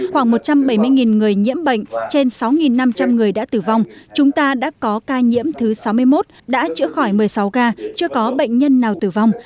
khoảng một trăm bảy mươi người nhiễm bệnh trên sáu năm trăm linh người đã tử vong chúng ta đã có ca nhiễm thứ sáu mươi một đã chữa khỏi một mươi sáu ca chưa có bệnh nhân nào tử vong